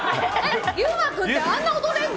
優馬君ってあんな踊れるの？